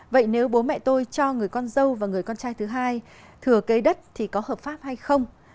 vậy nếu bố mẹ tôi cho người con dâu và người con trai thứ hai thừa kế đất thì có hợp pháp hay không